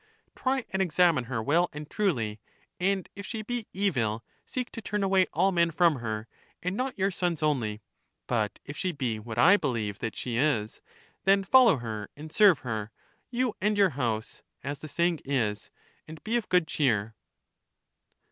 Try and examine her well and truly, and if she be evil seek to turn away all men from her, and not your sons only ; but if she be what I believe that she is, then follow her and serve her, you and your house, as the saying is, and be of good cheer.